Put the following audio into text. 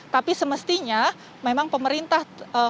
tapi semestinya memang pemerintah